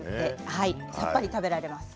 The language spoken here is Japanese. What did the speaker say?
さっぱり食べられます。